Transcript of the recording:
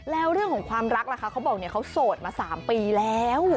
แล้วเรื่องของความรักเขาก็สดมาสามปีแล้ว